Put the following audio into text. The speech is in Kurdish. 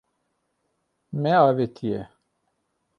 Me avêtiye.